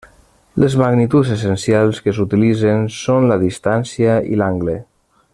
Les magnituds essencials que s'utilitzen són la distància i l'angle.